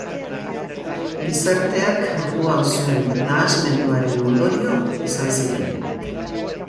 Gizarteak orduan zuen nahasmenduaren ondorio izan ziren.